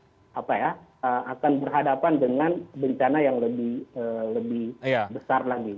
di depan masa kita akan berhadapan dengan bencana yang lebih besar lagi